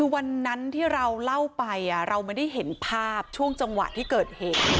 วันนั้นที่เราเล่าไปเราไม่ได้เห็นภาพช่วงจังหวะที่เกิดเหตุ